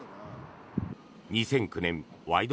２００９年「ワイド！